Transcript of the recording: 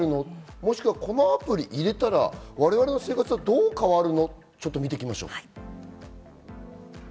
もしくはこのアプリを入れたら、我々の生活はどう変わるのかを見ていきましょう。